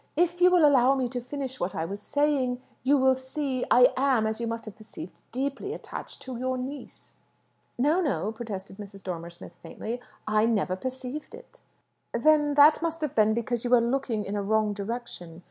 "If you will allow me to finish what I was saying, you will see I am, as you must have perceived, deeply attached to your niece." "No, no," protested Mrs. Dormer Smith faintly. "I never perceived it." "Then that must have been because you were looking in a wrong direction.